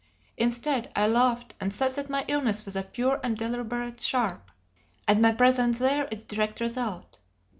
Instead, I laughed and said that my illness was a pure and deliberate sharp, and my presence there its direct result.